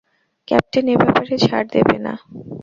Captain এ ব্যাপারে ছাড় দেবে না।